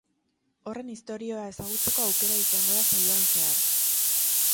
Horren istorioa ezagutzeko aukera izango da saioan zehar.